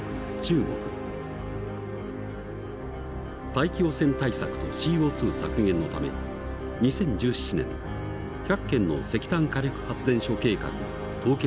大気汚染対策とＣＯ削減のため２０１７年１００件の石炭火力発電所計画の凍結を発表。